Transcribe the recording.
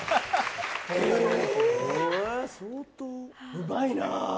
うまいな。